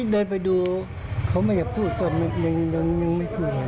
เดินไปดูเขาไม่พูดยังไม่พูดเลย